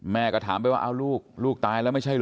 แม่ก็ถามไปว่าลูกลูกตายแล้วไม่ใช่เหรอ